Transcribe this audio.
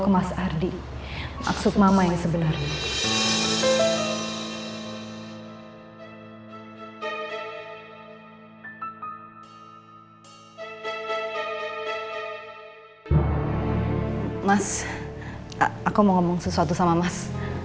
mas aku mau ngomong sesuatu sama mas